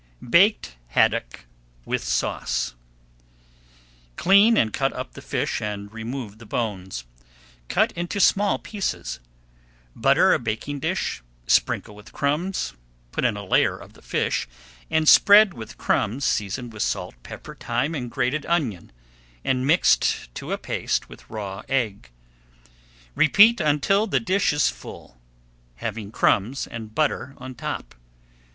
BAKED HADDOCK WITH SAUCE Clean and cut up the fish, and remove the [Page 164] bones. Cut into small pieces. Butter a baking dish, sprinkle with crumbs, put in a layer of the fish, and spread with crumbs seasoned with salt, pepper, thyme and grated onion, and mixed to a paste with raw egg. Repeat until the dish is full, having crumbs and butter on top.